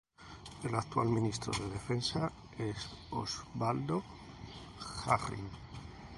El actual Ministro de defensa es Oswaldo Jarrín.